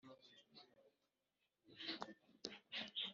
batabana ku bushake bwabo